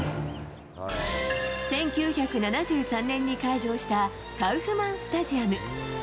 １９７３年に開場したカウフマンスタジアム。